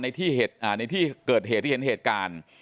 ในที่เกิดเหตุที่เห็นเหตุการณ์